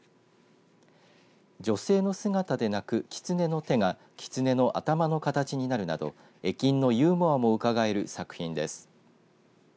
女性の姿ではなく、きつねの手がきつねの頭の形になるなど絵金のユーモアもうかがえる作品です。